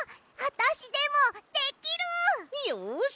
よし。